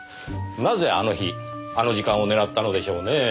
なぜあの日あの時間を狙ったのでしょうねぇ。